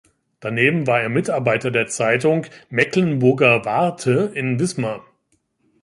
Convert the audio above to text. Daneben war er Mitarbeiter der Zeitung "Mecklenburger Warte" in Wismar.